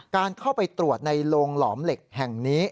การเข้าไปตรวจในโรงหลอมเหล็กแห่งนี้